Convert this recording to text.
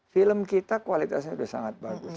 film kita kualitasnya sudah sangat bagus